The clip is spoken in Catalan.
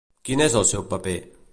Quin és el seu paper?